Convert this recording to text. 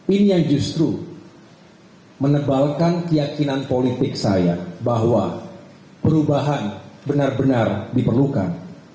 ini yang justru menebalkan keyakinan politik saya bahwa perubahan benar benar diperlukan